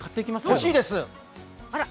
欲しいです。